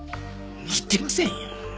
言ってませんよ。